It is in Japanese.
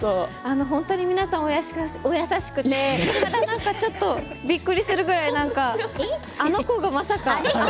皆さん、お優しくてちょっとびっくりするぐらいあの子がまさか。